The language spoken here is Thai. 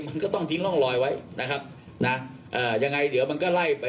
มันก็ต้องทิ้งร่องรอยไว้นะครับนะเอ่อยังไงเดี๋ยวมันก็ไล่ไป